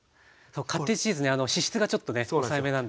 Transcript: カッテージチーズね脂質がちょっとね抑えめなんでね。